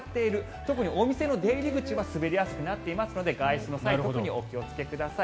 特にお店の出入り口は滑りやすくなっていますので外出の際特にお気をつけください。